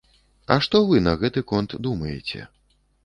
А што вы на гэты конт думаеце?